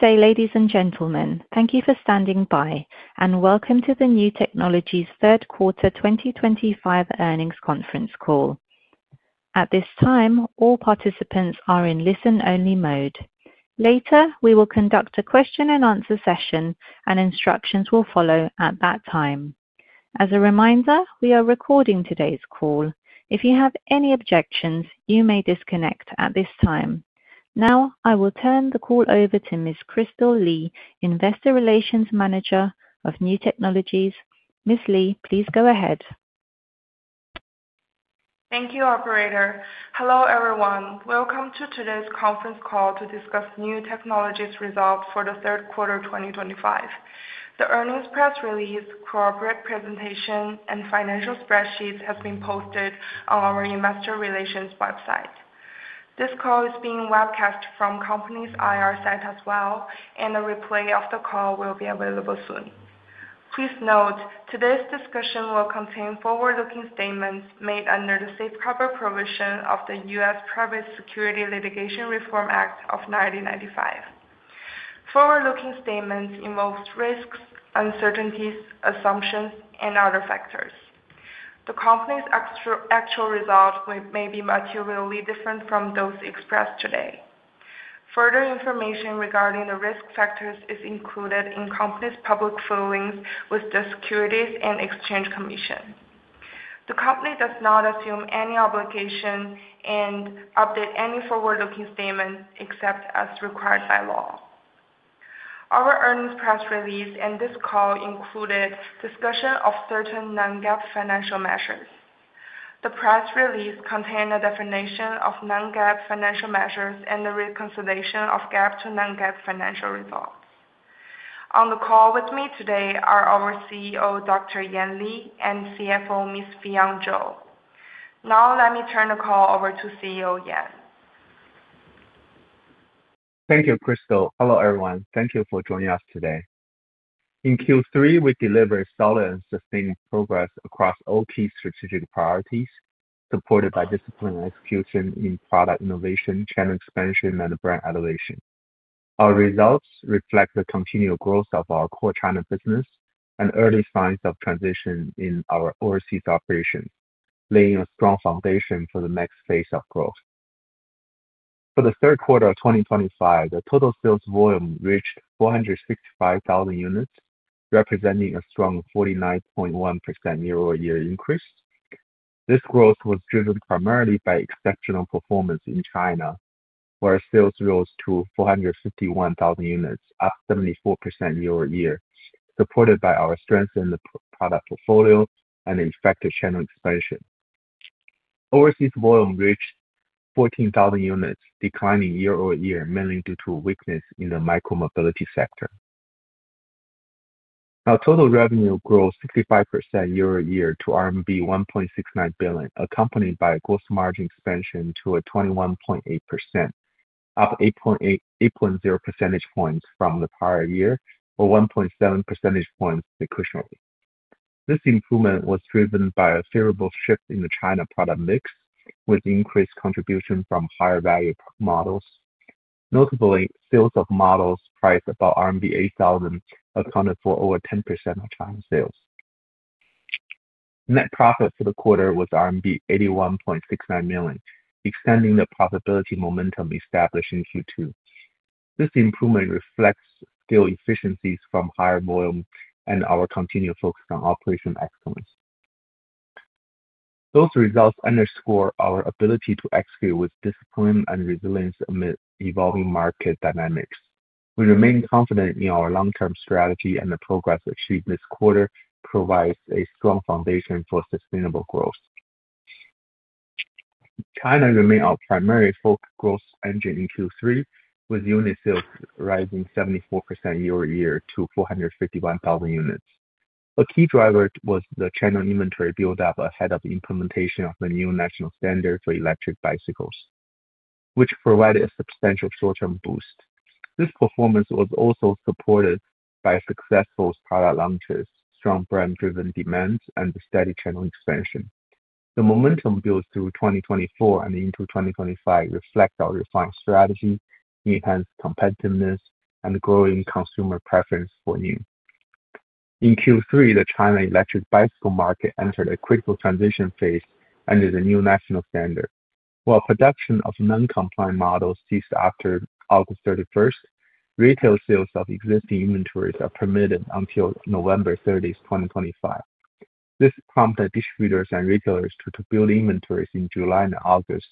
Dear ladies and gentlemen, thank you for standing by, and welcome to the Niu Technologies' third quarter 2025 earnings conference call. At this time, all participants are in listen-only mode. Later, we will conduct a question-and-answer session, and instructions will follow at that time. As a reminder, we are recording today's call. If you have any objections, you may disconnect at this time. Now, I will turn the call over to Ms. Kristal Li, Investor Relations Manager of Niu Technologies. Ms. Li, please go ahead. Thank you, Operator. Hello everyone. Welcome to today's conference call to discuss Niu Technologies' results for the third quarter 2025. The earnings press release, corporate presentation, and financial spreadsheets have been posted on our Investor Relations website. This call is being webcast from the company's IR site as well, and a replay of the call will be available soon. Please note, today's discussion will contain forward-looking statements made under the safeguard provision of the U.S. Private Securities Litigation Reform Act of 1995. Forward-looking statements involve risks, uncertainties, assumptions, and other factors. The company's actual results may be materially different from those expressed today. Further information regarding the risk factors is included in the company's public filings with the Securities and Exchange Commission. The company does not assume any obligation and updates any forward-looking statements except as required by law. Our earnings press release and this call included discussion of certain non-GAAP financial measures. The press release contained a definition of non-GAAP financial measures and the reconciliation of GAAP to non-GAAP financial results. On the call with me today are our CEO, Dr. Yan Li, and CFO, Ms. Fion Zhou. Now, let me turn the call over to CEO Yan. Thank you, Kristal. Hello everyone. Thank you for joining us today. In Q3, we delivered solid and sustained progress across all key strategic priorities, supported by discipline and execution in product innovation, channel expansion, and brand elevation. Our results reflect the continual growth of our core China business and early signs of transition in our overseas operations, laying a strong foundation for the next phase of growth. For the third quarter of 2025, the total sales volume reached 465,000 units, representing a strong 49.1% year-over-year increase. This growth was driven primarily by exceptional performance in China, where sales rose to 451,000 units, up 74% year-over-year, supported by our strength in the product portfolio and the effective channel expansion. Overseas volume reached 14,000 units, declining year-over-year, mainly due to weakness in the micro-mobility sector. Our total revenue grew 65% year-over-year to RMB 1.69 billion, accompanied by a gross margin expansion to 21.8%, up 8.0 percentage points from the prior year, or 1.7 percentage points sequentially. This improvement was driven by a favorable shift in the China product mix, with increased contribution from higher-value models. Notably, sales of models priced above RMB 8,000 accounted for over 10% of China's sales. Net profit for the quarter was RMB 81.69 million, extending the profitability momentum established in Q2. This improvement reflects scale efficiencies from higher volume and our continued focus on operational excellence. Those results underscore our ability to execute with discipline and resilience amid evolving market dynamics. We remain confident in our long-term strategy, and the progress achieved this quarter provides a strong foundation for sustainable growth. China remained our primary focus growth engine in Q3, with unit sales rising 74% year-over-year to 451,000 units. A key driver was the channel inventory build-up ahead of the implementation of the new national standard for electric bicycles, which provided a substantial short-term boost. This performance was also supported by successful product launches, strong brand-driven demands, and the steady channel expansion. The momentum built through 2024 and into 2025 reflects our refined strategy, enhanced competitiveness, and growing consumer preference for new. In Q3, the China electric bicycle market entered a critical transition phase under the new national standard. While production of non-compliant models ceased after August 31st, retail sales of existing inventories are permitted until November 30, 2025. This prompted distributors and retailers to build inventories in July and August,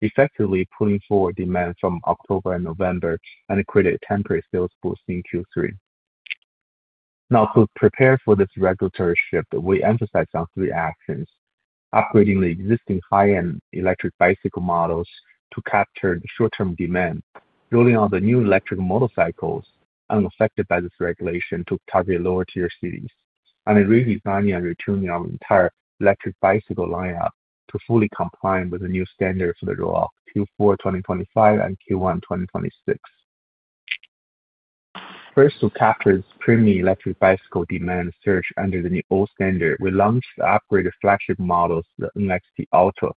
effectively pulling forward demand from October and November and created a temporary sales boost in Q3. Now, to prepare for this regulatory shift, we emphasized our three actions: upgrading the existing high-end electric bicycle models to capture the short-term demand, building out the new electric motorcycles unaffected by this regulation to target lower-tier cities, and redesigning and retuning our entire electric bicycle lineup to fully comply with the new standards for the Q4 2025 and Q1 2026. First, to capture the streaming electric bicycle demand surge under the new old standard, we launched the upgraded flagship models, the NXT Ultra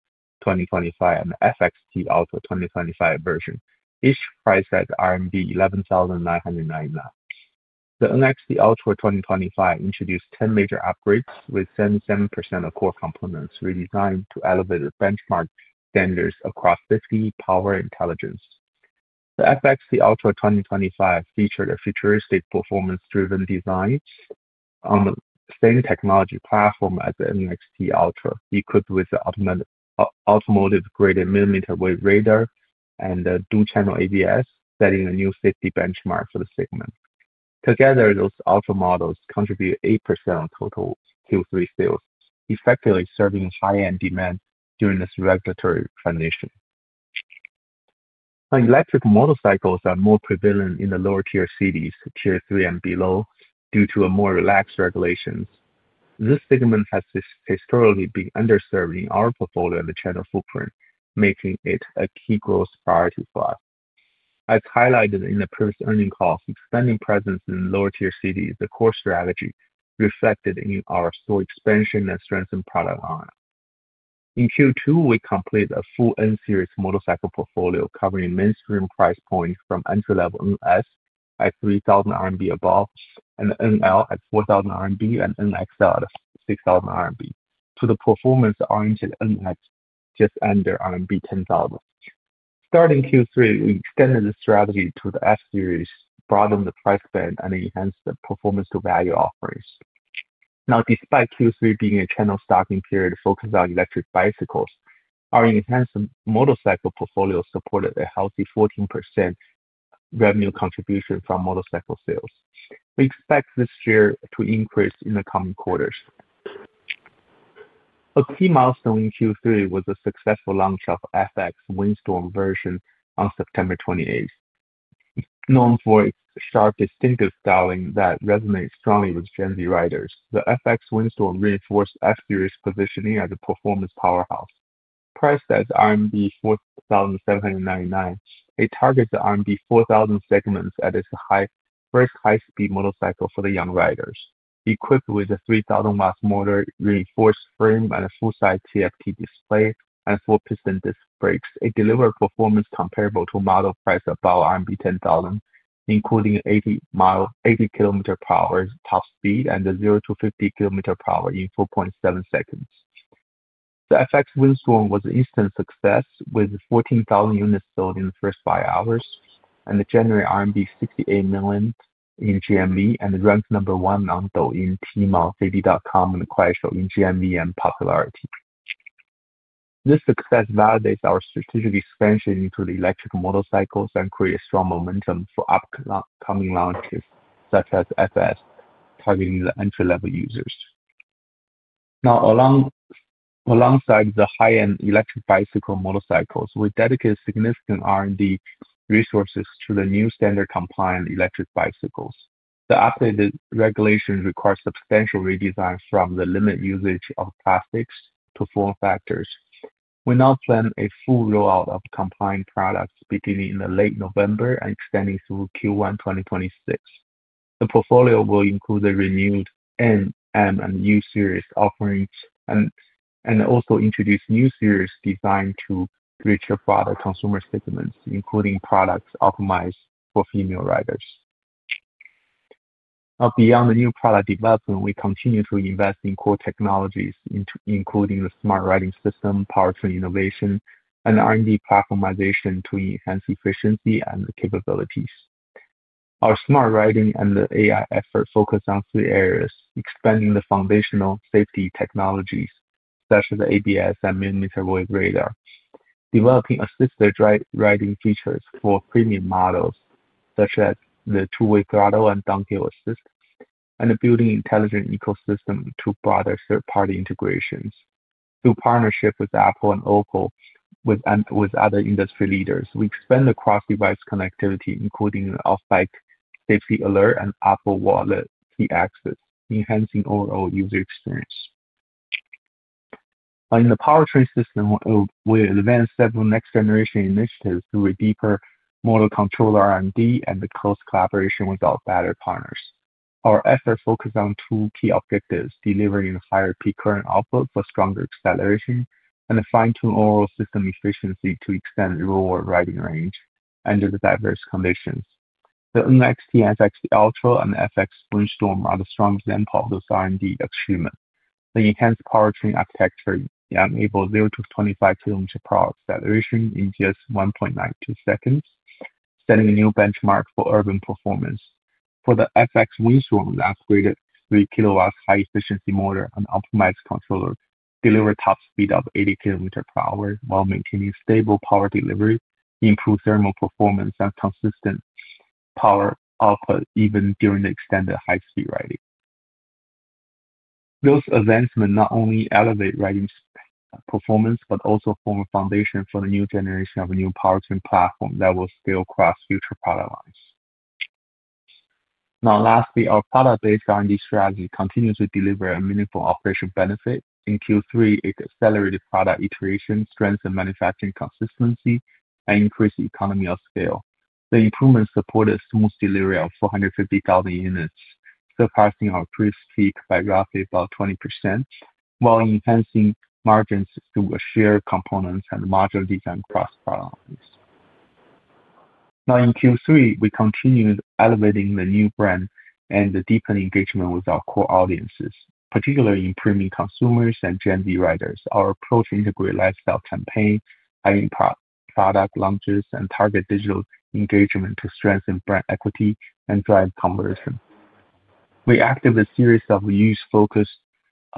2025 and the FXT Ultra 2025 version, each priced at RMB 11,999. The NXT Ultra 2025 introduced 10 major upgrades, with 77% of core components redesigned to elevate the benchmark standards across safety, power, and intelligence. The FXT Ultra 2025 featured a futuristic performance-driven design on the same technology platform as the NXT Ultra, equipped with the automotive-grade millimeter wave radar and the dual-channel ABS, setting a new safety benchmark for the segment. Together, those Ultra models contribute 8% of total Q3 sales, effectively serving high-end demand during this regulatory transition. Electric motorcycles are more prevalent in the lower-tier cities, Tier 3 and below, due to more relaxed regulations. This segment has historically been underserving our portfolio and the channel footprint, making it a key growth priority for us. As highlighted in the previous earnings calls, expanding presence in lower-tier cities is a core strategy reflected in our store expansion and strengthened product line. In Q2, we completed a full N-series motorcycle portfolio covering mainstream price points from entry-level NS at 3,000 RMB above, and NL at 4,000 RMB, and NXL at 6,000 RMB, to the performance-oriented NX just under RMB 10,000. Starting Q3, we extended the strategy to the S-series, broadened the price band, and enhanced the performance-to-value offerings. Now, despite Q3 being a channel stopping period focused on electric bicycles, our enhanced motorcycle portfolio supported a healthy 14% revenue contribution from motorcycle sales. We expect this year to increase in the coming quarters. A key milestone in Q3 was the successful launch of the FX Windstorm version on September 28th. Known for its sharp, distinctive styling that resonates strongly with Gen Z riders, the FX Windstorm reinforced F-series positioning as a performance powerhouse. Priced at RMB 4,799, it targets the RMB 4,000 segment as its first high-speed motorcycle for the young riders. Equipped with a 3,000-watt motor, reinforced frame, and a full-size TFT display and four-piston disc brakes, it delivered performance comparable to a model priced above RMB 10,000, including 80 km/h top speed and 0 to 50 km/h in 4.7 seconds. The FX Windstorm was an instant success, with 14,000 units sold in the first five hours and the January RMB 68 million in GMV and ranked number one month though in Tmall, TV.com, and the Kuaishou in GMV and popularity. This success validates our strategic expansion into the electric motorcycles and creates strong momentum for upcoming launches such as FS, targeting the entry-level users. Now, alongside the high-end electric bicycle motorcycles, we dedicated significant R&D resources to the new standard-compliant electric bicycles. The updated regulation requires substantial redesigns from the limit usage of plastics to form factors. We now plan a full rollout of compliant products beginning in late November and extending through Q1 2026. The portfolio will include the Renewed N-series, M-series, and U-series offerings and also introduce new series designed to reach a broader consumer segment, including products optimized for female riders. Now, beyond the new product development, we continue to invest in core technologies, including the smart riding system, powertrain innovation, and R&D platformization to enhance efficiency and capabilities. Our smart riding and the AI effort focus on three areas: expanding the foundational safety technologies such as the ABS and millimeter wave radar, developing assistive riding features for premium models such as the two-way throttle and downhill assist, and building an intelligent ecosystem to broader third-party integrations. Through partnerships with Apple and OPPO, with other industry leaders, we expand the cross-device connectivity, including the off-site safety alert and Apple Wallet key access, enhancing overall user experience. In the powertrain system, we advance several next-generation initiatives through a deeper motor control R&D and close collaboration with our battery partners. Our efforts focus on two key objectives: delivering a higher peak current output for stronger acceleration and fine-tuning all system efficiency to extend lower riding range under the diverse conditions. The NXT Ultra 2025 and the FX Windstorm are the strong examples of R&D achievement. The enhanced powertrain architecture enables 0 to 25 km/h acceleration in just 1.92 seconds, setting a new benchmark for urban performance. For the FX Windstorm, the upgraded 3 kW high-efficiency motor and optimized controller deliver top speed of 80 km/h while maintaining stable power delivery, improved thermal performance, and consistent power output even during the extended high-speed riding. Those advancements not only elevate riding performance but also form a foundation for the new generation of a new powertrain platform that will scale across future product lines. Now, lastly, our product-based R&D strategy continues to deliver a meaningful operational benefit. In Q3, it accelerated product iteration, strengthened manufacturing consistency, and increased the economy of scale. The improvements supported a smooth delivery of 450,000 units, surpassing our previous peak by roughly about 20%, while enhancing margins through shared components and modular design across product lines. Now, in Q3, we continued elevating the new brand and the deepened engagement with our core audiences, particularly improving consumers and Gen Z riders. Our approach integrates lifestyle campaigns, hiring product launches, and target digital engagement to strengthen brand equity and drive conversion. We actively use focused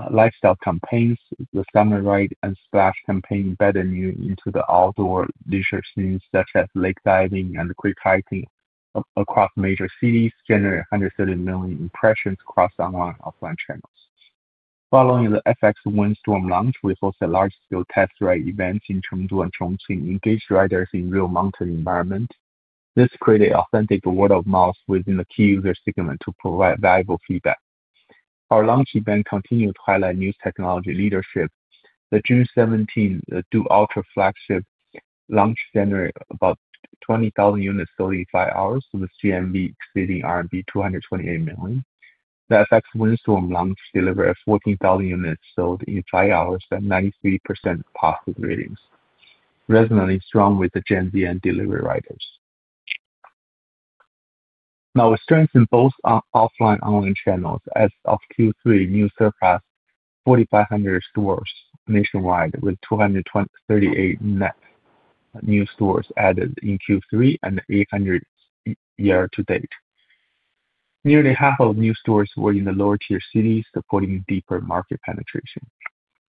lifestyle campaigns, the Summer Ride and Splash campaign, embedded into the outdoor leisure scenes such as lake diving and quick hiking across major cities, generating 130 million impressions across online and offline channels. Following the FX Windstorm launch, we hosted large-scale test ride events in Chengdu and Chongqing, engaging riders in real mountain environments. This created an authentic word-of-mouth within the key user segment to provide valuable feedback. Our launch event continued to highlight new technology leadership. On June 17, the FXT Ultra flagship launch generated about 20,000 units sold in five hours with GMV exceeding RMB 228 million. The FX Windstorm launch delivered 14,000 units sold in five hours at 93% positive ratings, resonating strongly with the Gen Z and delivery riders. Now, we're strengthening both offline and online channels. As of Q3, Niu surpassed 4,500 stores nationwide, with 238 net new stores added in Q3 and 800 year-to-date. Nearly half of new stores were in the lower-tier cities, supporting deeper market penetration.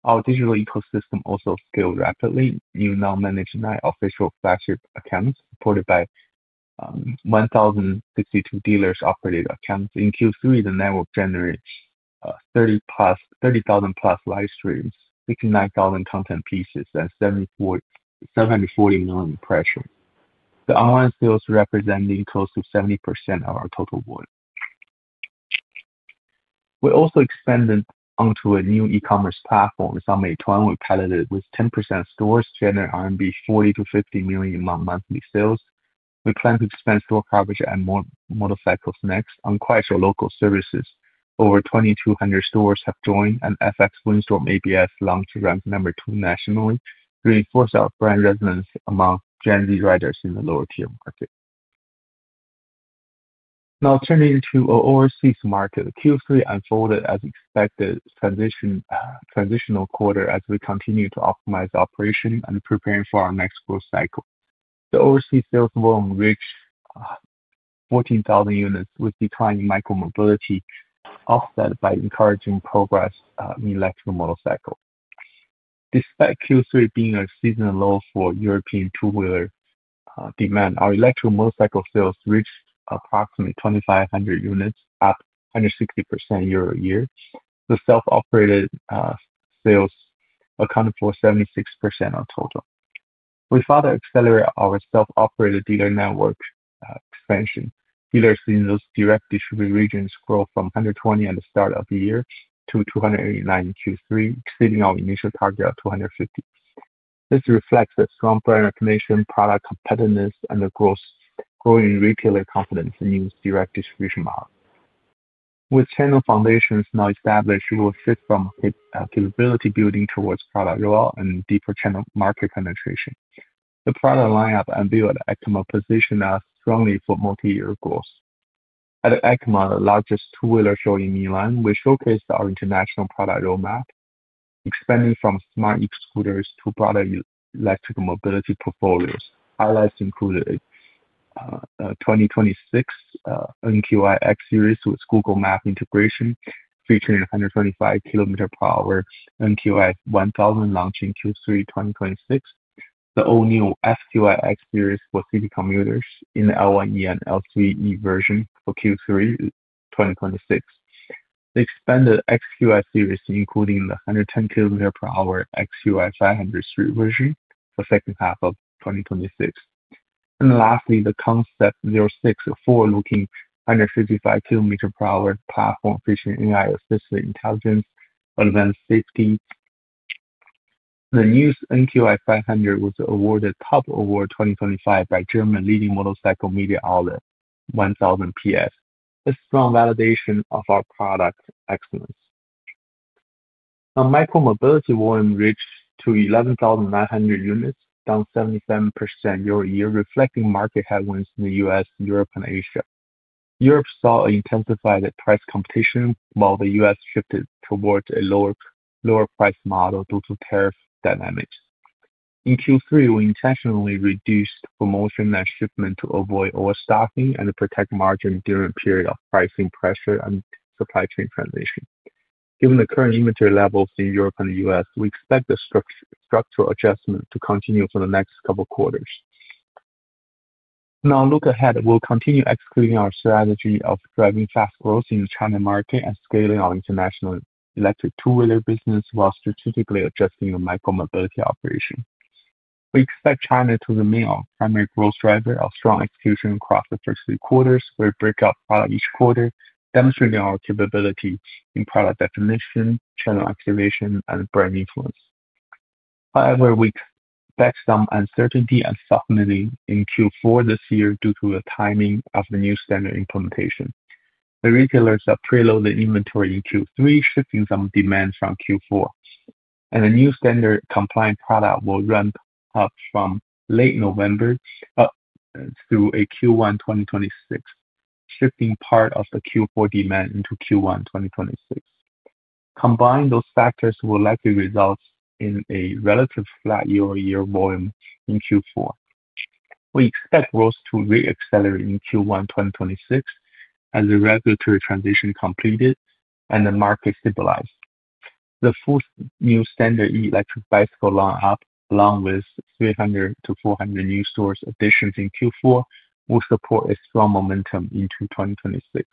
Our digital ecosystem also scaled rapidly. You now manage nine official flagship accounts supported by 1,062 dealers' operated accounts. In Q3, the network generated 30,000-plus live streams, 69,000 content pieces, and 740 million impressions. The online sales represent close to 70% of our total volume. We also expanded onto a new e-commerce platform, Xiaomi Tuan, which piloted with 10% of stores generating 40 million-50 million RMB monthly sales. We plan to expand store coverage and more motorcycles next. On Kuaishou Local Services, over 2,200 stores have joined, and FX Windstorm ABS launched ranked number two nationally, reinforcing our brand resonance among Gen Z riders in the lower-tier market. Now, turning to overseas market, Q3 unfolded as expected, a transitional quarter as we continue to optimize operations and prepare for our next growth cycle. The overseas sales volume reached 14,000 units, with declining micro-mobility offset by encouraging progress in electric motorcycles. Despite Q3 being a seasonal low for European two-wheeler demand, our electric motorcycle sales reached approximately 2,500 units, up 160% year-over-year. The self-operated sales accounted for 76% of total. We further accelerated our self-operated dealer network expansion, seeing those direct distribution regions grow from 120 at the start of the year to 289 in Q3, exceeding our initial target of 250. This reflects the strong brand recognition, product competitiveness, and the growing retailer confidence in the direct distribution model. With channel foundations now established, we will shift from capability building towards product rollout and deeper channel market penetration. The product lineup and vehicle EICMA position us strongly for multi-year goals. At EICMA, the largest two-wheeler show in Milan, we showcased our international product roadmap, expanding from smart extruders to broader electric mobility portfolios. Highlights included the 2026 NQI X-series with Google Maps integration, featuring the 125 km/h NQI 1000 launch in Q3 2026. The all-new XQI X-series for city commuters in the L1e and L3e version for Q3 2026. The expanded XQI series, including the 110 km/h XQI 500 series version, affecting half of 2026. Lastly, the Concept 06, a forward-looking 155 km/h platform featuring AI-assisted intelligence for advanced safety. The newest NQI 500 was awarded Top Award 2025 by German leading motorcycle media outlet 1000 PS. This is a strong validation of our product excellence. Micro-mobility volume reached 11,900 units, down 77% year-over-year, reflecting market headwinds in the U.S., Europe, and Asia. Europe saw an intensified price competition, while the U.S. shifted towards a lower price model due to tariff dynamics. In Q3, we intentionally reduced promotion and shipment to avoid overstaffing and protect margins during a period of pricing pressure and supply chain transition. Given the current limited levels in Europe and the U.S., we expect the structural adjustment to continue for the next couple of quarters. Now, look ahead. We'll continue executing our strategy of driving fast growth in the China market and scaling our international electric two-wheeler business while strategically adjusting the micro-mobility operation. We expect China to remain our primary growth driver, our strong execution across the first three quarters, where we break out product each quarter, demonstrating our capability in product definition, channel activation, and brand influence. However, we expect some uncertainty and soft landing in Q4 this year due to the timing of the new standard implementation. The retailers have preloaded inventory in Q3, shifting some demand from Q4. The new standard-compliant product will ramp up from late November through Q1 2026, shifting part of the Q4 demand into Q1 2026. Combining those factors will likely result in a relatively flat year-over-year volume in Q4. We expect growth to re-accelerate in Q1 2026 as the regulatory transition completes and the market stabilizes. The fourth new standard electric bicycle lineup, along with 300-400 new source additions in Q4, will support a strong momentum into 2026.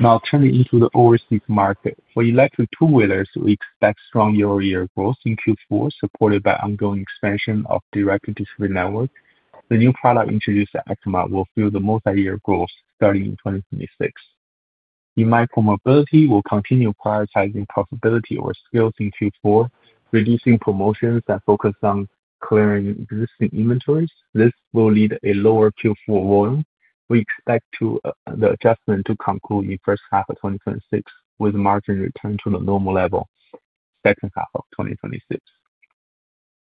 Now, turning into the overseas market, for electric two-wheelers, we expect strong year-over-year growth in Q4, supported by ongoing expansion of direct distribution network. The new product introduced at EICMA will fuel the multi-year growth starting in 2026. In micro-mobility, we'll continue prioritizing profitability over sales in Q4, reducing promotions and focusing on clearing existing inventories. This will lead to a lower Q4 volume. We expect the adjustment to conclude in the first half of 2026, with margins returning to the normal level in the second half of 2026.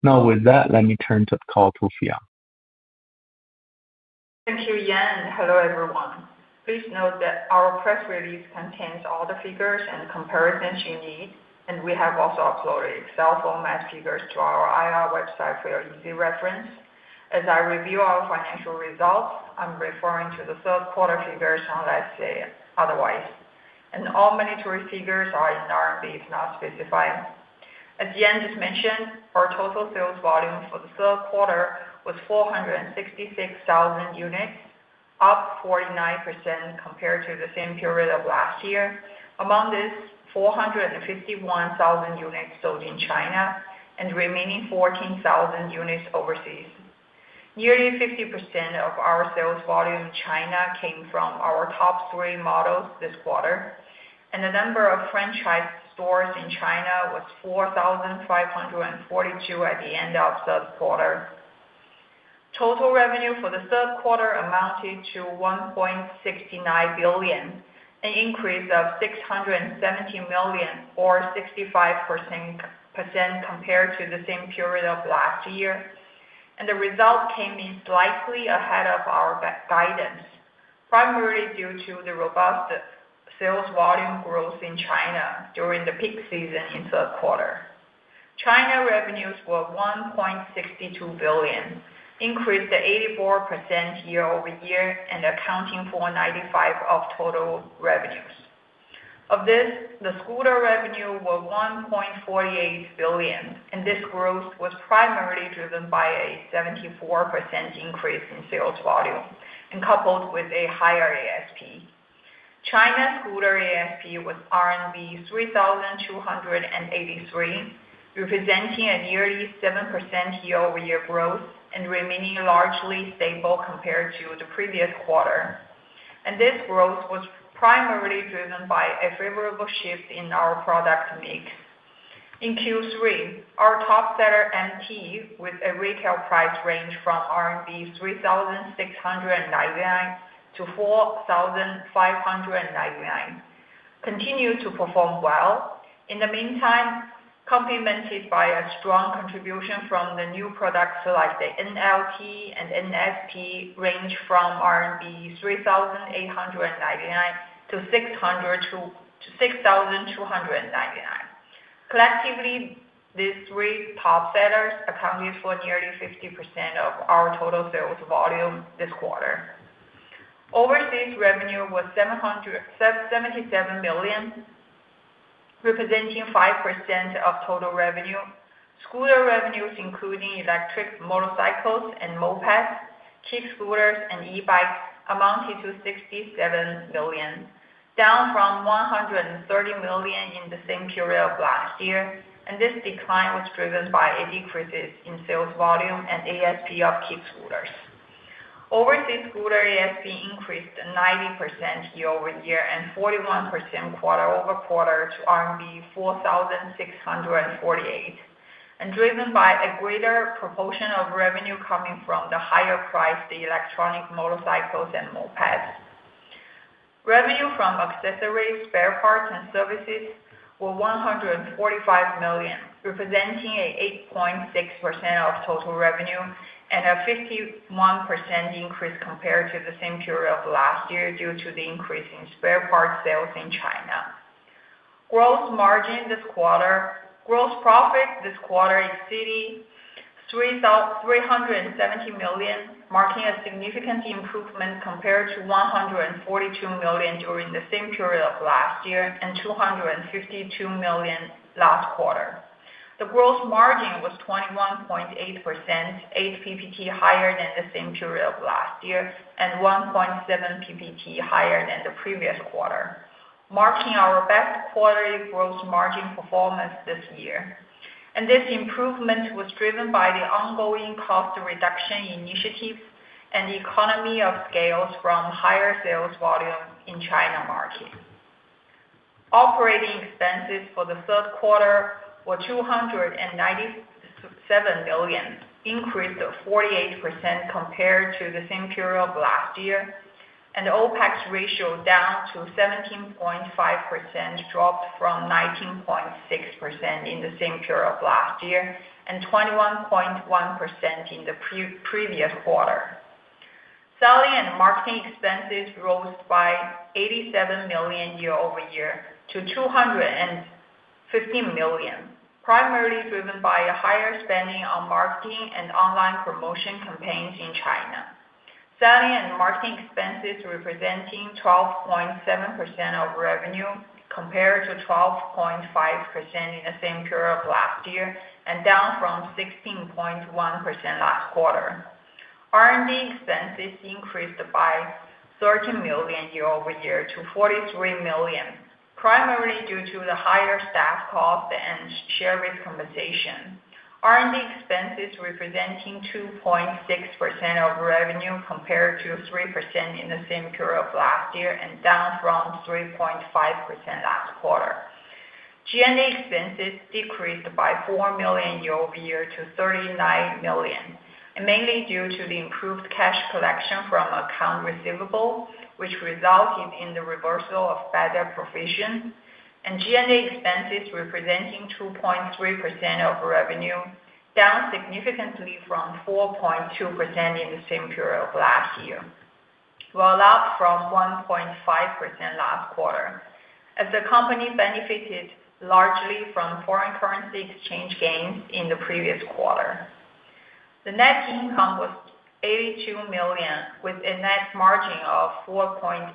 Now, with that, let me turn the call to Fion. Thank you, Yan. Hello, everyone. Please note that our press release contains all the figures and comparisons you need, and we have also uploaded Excel format figures to our IR website for your easy reference. As I review our financial results, I'm referring to the third-quarter figures unless they are otherwise. All mandatory figures are in R&D, if not specified. As Yan just mentioned, our total sales volume for the third quarter was 466,000 units, up 49% compared to the same period of last year. Among this, 451,000 units sold in China and the remaining 14,000 units overseas. Nearly 50% of our sales volume in China came from our top three models this quarter, and the number of franchise stores in China was 4,542 at the end of the third quarter. Total revenue for the third quarter amounted to 1.69 billion, an increase of 670 million, or 65% compared to the same period of last year. The results came in slightly ahead of our guidance, primarily due to the robust sales volume growth in China during the peak season in the third quarter. China revenues were 1.62 billion, increased 84% year-over-year and accounting for 95% of total revenues. Of this, the scooter revenue was 1.48 billion, and this growth was primarily driven by a 74% increase in sales volume and coupled with a higher ASP. China's scooter ASP was RMB 3,283, representing a nearly 7% year-over-year growth and remaining largely stable compared to the previous quarter. This growth was primarily driven by a favorable shift in our product mix. In Q3, our top-seller MT, with a retail price range from 3,699-4,599 RMB, continued to perform well. In the meantime, complemented by a strong contribution from the new products like the NLP and NSP, ranged from 3,899-6,299 RMB. Collectively, these three top sellers accounted for nearly 50% of our total sales volume this quarter. Overseas revenue was 77 million, representing 5% of total revenue. Scooter revenues, including electric motorcycles and mopeds, kids' scooters, and e-bikes, amounted to 67 million, down from 130 million in the same period of last year. This decline was driven by a decrease in sales volume and ASP of kids' scooters. Overseas scooter ASP increased 90% year-over-year and 41% quarter-over-quarter to CNY 4,648, driven by a greater proportion of revenue coming from the higher-priced electric motorcycles and mopeds. Revenue from accessories, spare parts, and services was 145 million, representing 8.6% of total revenue and a 51% increase compared to the same period of last year due to the increase in spare parts sales in China. Gross margin this quarter, gross profit this quarter exceeded 370 million, marking a significant improvement compared to 142 million during the same period of last year and 252 million last quarter. The gross margin was 21.8%, 8 percentage points higher than the same period of last year and 1.7 percentage points higher than the previous quarter, marking our best quarterly gross margin performance this year. This improvement was driven by the ongoing cost reduction initiatives and the economy of scale from higher sales volume in the China market. Operating expenses for the third quarter were 297 million, increased to 48% compared to the same period of last year. The OpEx ratio down to 17.5%, dropped from 19.6% in the same period of last year and 21.1% in the previous quarter. Selling and marketing expenses rose by 87 million year-over-year to 250 million, primarily driven by a higher spending on marketing and online promotion campaigns in China. Selling and marketing expenses representing 12.7% of revenue compared to 12.5% in the same period of last year and down from 16.1% last quarter. R&D expenses increased by 13 million year-over-year to 43 million, primarily due to the higher staff cost and share rate compensation. R&D expenses representing 2.6% of revenue compared to 3% in the same period of last year and down from 3.5% last quarter. G&A expenses decreased by 4 million year-over-year to 39 million, mainly due to the improved cash collection from account receivable, which resulted in the reversal of bad debt provision. G&A expenses representing 2.3% of revenue, down significantly from 4.2% in the same period of last year, up from 1.5% last quarter, as the company benefited largely from foreign currency exchange gains in the previous quarter. The net income was 82 million, with a net margin of 4.8%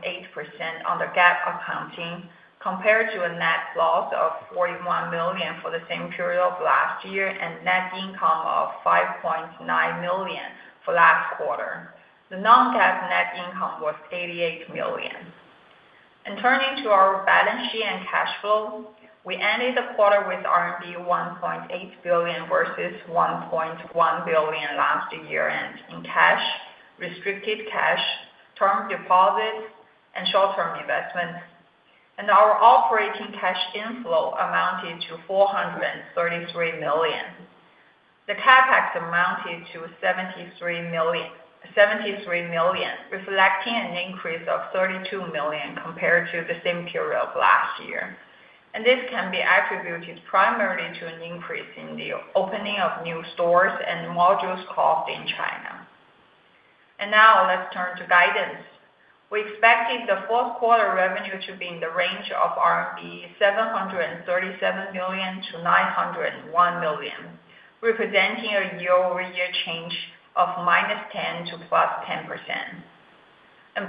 on the GAAP accounting, compared to a net loss of 41 million for the same period of last year and net income of 5.9 million for last quarter. The non-GAAP net income was 88 million. Turning to our balance sheet and cash flow, we ended the quarter with RMB 1.8 billion versus 1.1 billion last year in cash, restricted cash, term deposits, and short-term investments. Our operating cash inflow amounted to 433 million. The CapEx amounted to 73 million, reflecting an increase of 32 million compared to the same period of last year. This can be attributed primarily to an increase in the opening of new stores and modules cost in China. Now let's turn to guidance. We expected the fourth quarter revenue to be in the range of 737 million-901 million RMB, representing a year-over-year change of -10% to +10%.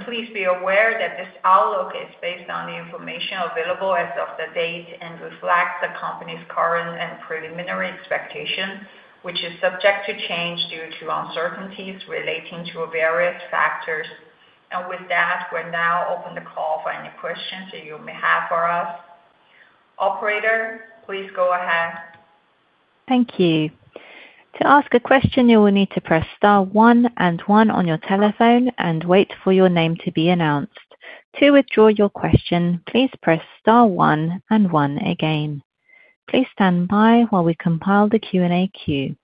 Please be aware that this outlook is based on the information available as of the date and reflects the company's current and preliminary expectation, which is subject to change due to uncertainties relating to various factors. With that, we will now open the call for any questions you may have for us. Operator, please go ahead. Thank you. To ask a question, you will need to press star one and one on your telephone and wait for your name to be announced. To withdraw your question, please press star one and one again. Please stand by while we compile the Q&A queue.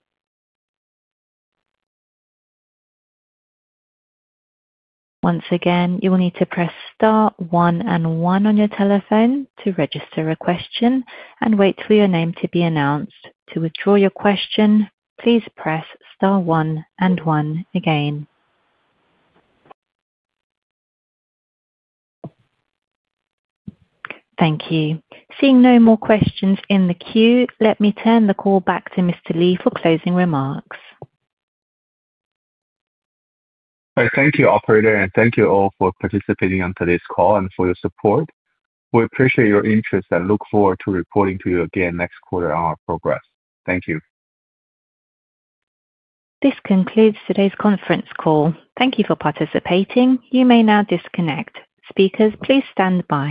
Once again, you will need to press star one and one on your telephone to register a question and wait for your name to be announced. To withdraw your question, please press star one and one again. Thank you. Seeing no more questions in the queue, let me turn the call back to Mr. Li for closing remarks. Thank you, Operator, and thank you all for participating in today's call and for your support. We appreciate your interest and look forward to reporting to you again next quarter on our progress. Thank you. This concludes today's conference call. Thank you for participating. You may now disconnect. Speakers, please stand by.